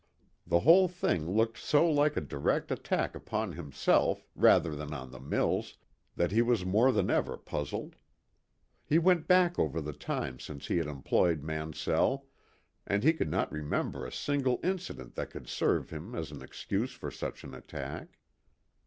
The whole thing looked so like a direct attack upon himself, rather than on the mills, that he was more than ever puzzled. He went back over the time since he had employed Mansell, and he could not remember a single incident that could serve him as an excuse for such an attack.